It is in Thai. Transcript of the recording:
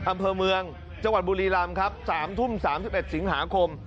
อำเภอเมืองจังหวัดบุรีรำครับ๓ทุ่ม๓๑สิงหาคม